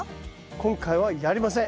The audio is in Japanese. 今回はやりません。